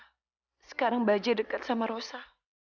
ternyata sekarang baju dekat sama rosa